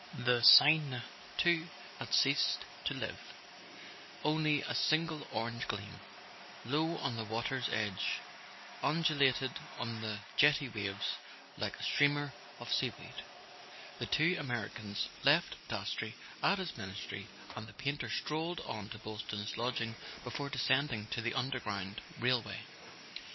The Seine too had ceased to live: only a single orange gleam, low on the water's edge, undulated on the jetty waves like a streamer of sea¬ weed. The two Americans left Dastrey at his Ministry, and the painter strolled on to Boylston's lodging before descending to the underground railway.